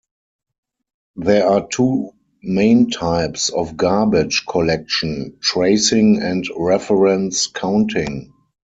There are two main types of garbage collection: tracing and reference counting.